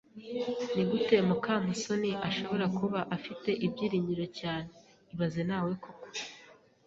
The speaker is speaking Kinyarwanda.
Nigute muka soni ashobora kuba afite ibyiringiro cyane ibaze nawe koko